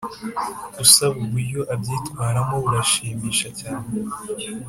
usaba uburyo abyitwaramo burashimisha cyane